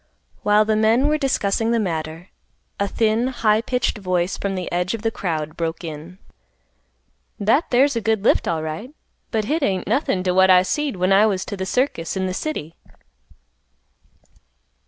While the men were discussing the matter, a thin, high pitched voice from the edge of the crowd, broke in, "That there's a good lift alright, but hit ain't nothin' t' what I seed when I was t' th' circus in th' city."